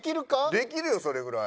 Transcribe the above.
できるよそれぐらい。